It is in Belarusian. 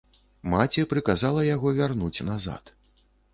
Маці прыказала яго вярнуць назад.